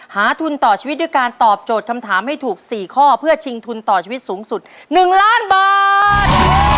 ทุนต่อชีวิตด้วยการตอบโจทย์คำถามให้ถูก๔ข้อเพื่อชิงทุนต่อชีวิตสูงสุด๑ล้านบาท